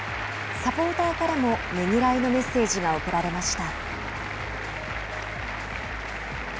サポーターからもねぎらいのメッセージが送られました。